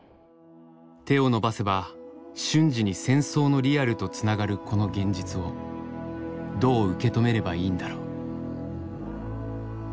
手を伸ばせば瞬時に戦争のリアルとつながるこの現実をどう受け止めればいいんだろう？